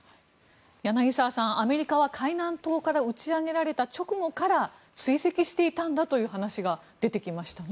柳澤さん、アメリカは海南島から打ち上げられた直後から追跡していたんだという話が出てきましたね。